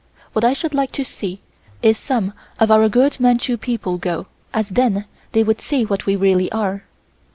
What I should like to see is some of our good Manchu people go, as then they would see what we really are."